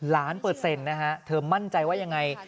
เปอร์เซ็นต์นะฮะเธอมั่นใจว่ายังไง